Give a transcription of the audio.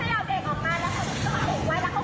กลับมาเล่าให้ฟังครับ